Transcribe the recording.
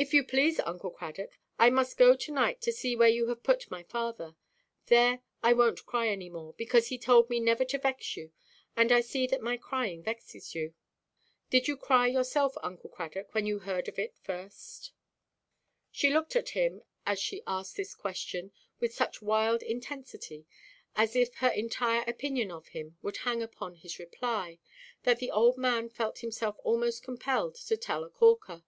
"If you please, Uncle Cradock, I must go to–night to see where you have put my father. There, I wonʼt cry any more, because he told me never to vex you, and I see that my crying vexes you. Did you cry, yourself, Uncle Cradock, when you heard of it first?" She looked at him, as she asked this question, with such wild intensity, as if her entire opinion of him would hang upon his reply, that the old man felt himself almost compelled to tell "a corker."